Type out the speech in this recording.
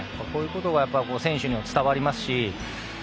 そういうことが選手にも伝わりますし。